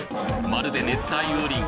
まるで熱帯雨林！